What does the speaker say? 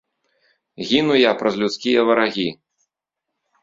Гіну я праз людскія варагі.